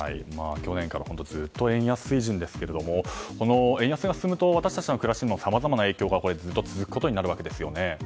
去年からずっと円安水準ですけどもこの円安が進むと私たちの暮らしにもさまざまな影響がずっと続くことになりますよね。